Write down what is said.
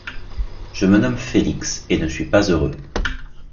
Je me nomme Félix et ne suis pas heureux.